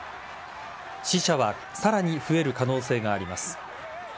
死者はさらに増える可能性があります。